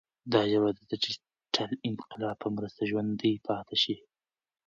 دا ژبه به د ډیجیټل انقلاب په مرسته ژوندۍ پاتې شي.